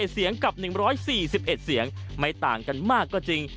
เสียงกับ๑๔๑เสียงไม่ต่างกันมากก็จริง